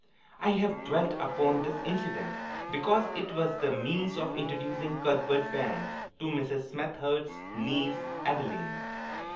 I have dwelt upon this incident, because it was the means of introducing Cuthbert Banks to Mrs. Smethurst's niece, Adeline.